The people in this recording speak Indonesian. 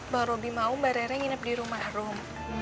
bang robi mau mbak rere nginep di rumah rum